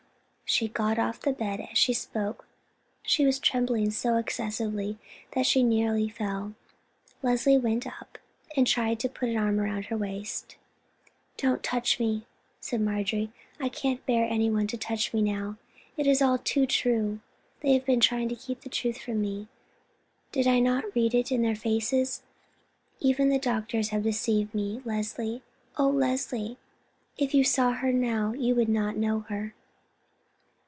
She got off the bed as she spoke. She was trembling so excessively that she nearly fell. Leslie went up and tried to put her arm round her waist. "Don't touch me," said Marjorie. "I can't bear anyone to touch me now. It is all too true. They have been trying to keep the truth from me. Did I not read it in their faces? Even the doctors have deceived me. Leslie, oh Leslie, if you saw her now you would not know her."